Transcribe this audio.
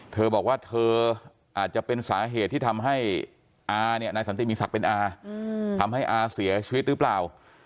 เธอบอกว่าเธออาจจะเป็นสาเหตุที่ทำให้อาเนี่ยนายสันติมีศักดิ์เป็นอาทำให้อาเสียชีวิตหรือเปล่า